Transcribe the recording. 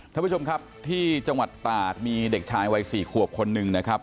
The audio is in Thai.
ท่านผู้ชมครับที่จังหวัดตากมีเด็กชายวัย๔ขวบคนหนึ่งนะครับ